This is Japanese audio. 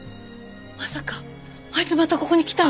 まさかあいつまたここに来たの？